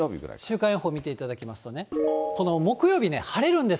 週間予報、見ていただきますとね、この木曜日ね、晴れるんで